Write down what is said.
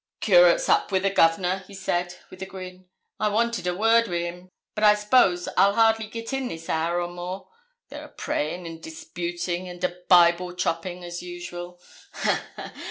'Curate's up wi' the Governor,' he said, with a grin. 'I wanted a word wi' him; but I s'pose I'll hardly git in this hour or more; they're a praying and disputing, and a Bible chopping, as usual. Ha, ha!